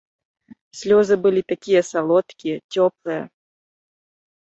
Слёзы былі такія салодкія, цёплыя.